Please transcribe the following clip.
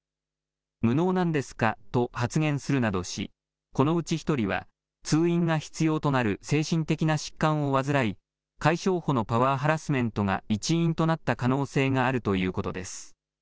無能なんですかと発言するなどし、このうち１人は、通院が必要となる精神的な疾患を患い、海将補のパワーハラスメントが一因となった可能性があるということです。